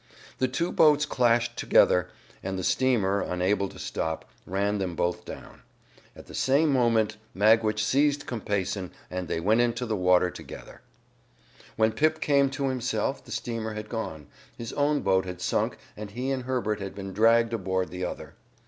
The two boats clashed together, and the steamer, unable to stop, ran them both down. At the same moment Magwitch seized Compeyson and they went into the water together. When Pip came to himself the steamer had gone, his own boat had sunk and he and Herbert had been dragged aboard the other.